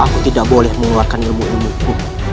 aku tidak boleh mengeluarkan ilmu ilmu itu